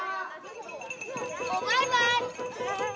バイバーイ！